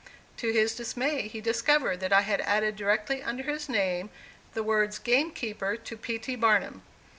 To his dismay he discovered that I had added directly under his name the words, "Game keeper to P. T. Barnum."